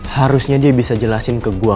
harusnya dia bisa jelasin ke gue